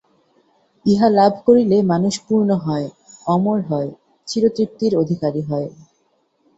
ইহা লাভ করিলে মানুষ পূর্ণ হয়, অমর হয়, চিরতৃপ্তির অধিকারী হয়।